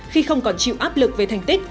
khi không còn chịu áp lực về thành tích